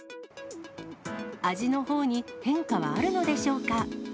味のほうに変化はあるのでしょうか。